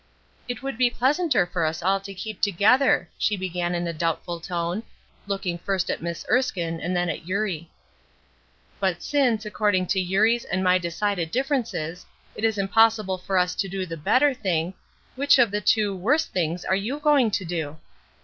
"It would be pleasanter for us all to keep together," she began in a doubtful tone, looking first at Miss Erskine and then at Eurie. "But since, according to Eurie's and my decided differences, it is impossible for us to do the 'better' thing, which of the two worse things are you going to do?"